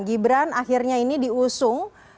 gibran akhirnya ini diusung